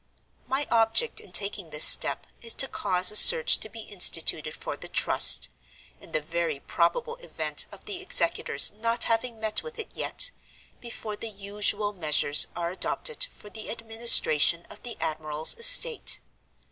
My object in taking this step is to cause a search to be instituted for the Trust—in the very probable event of the executors not having met with it yet—before the usual measures are adopted for the administration of the admiral's estate.